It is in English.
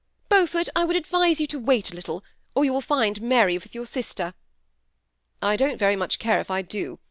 .^' Beaufort, I would advise you to wait a little, or you will find Mary with your sister." " I don't very much care if I do.